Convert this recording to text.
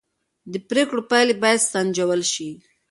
د پرېکړو پایلې باید سنجول شي